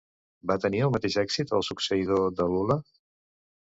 Va tenir el mateix èxit el succeïdor de Lula?